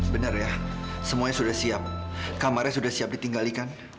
benar ya semuanya sudah siap kamarnya sudah siap ditinggalikan